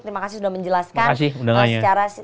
terima kasih sudah menjelaskan terima kasih undangannya